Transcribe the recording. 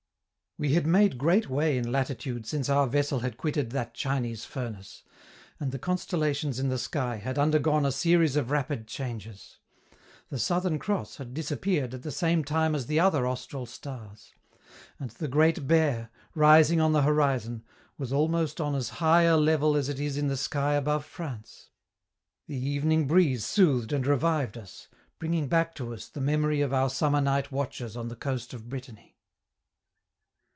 We had made great way in latitude since our vessel had quitted that Chinese furnace, and the constellations in the sky had undergone a series of rapid changes; the Southern Cross had disappeared at the same time as the other austral stars; and the Great Bear, rising on the horizon, was almost on as high a level as it is in the sky above France. The evening breeze soothed and revived us, bringing back to us the memory of our summer night watches on the coast of Brittany.